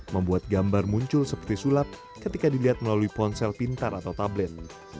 membuat gambar muncul seperti sulap ketika dilihat melalui ponsel pintar atau tablet